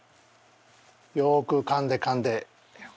よくかんでかんで。